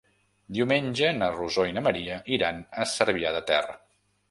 Diumenge na Rosó i na Maria iran a Cervià de Ter.